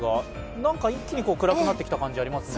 なんか一気に暗くなってきた感じありますね。